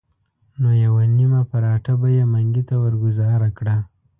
نو یوه نیمه پراټه به یې منګي ته ورګوزاره کړه.